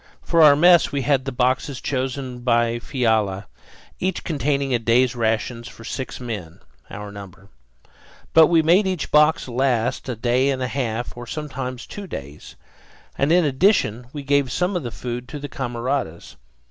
For our mess we had the boxes chosen by Fiala, each containing a day's rations for six men, our number. But we made each box last a day and a half, or at times two days, and in addition we gave some of the food to the camaradas.